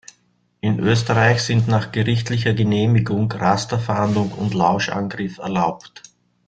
In Österreich sind nach gerichtlicher Genehmigung Rasterfahndung und Lauschangriff erlaubt.